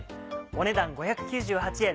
お値段５９８円。